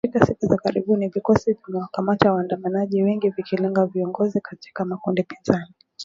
Katika siku za karibuni vikosi vimewakamata waandamanaji wengi , vikilenga viongozi katika makundi pinzani.